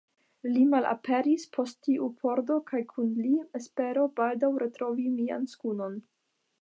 Li malaperis post tiu pordo kaj kun li mia espero, baldaŭ retrovi mian skunon.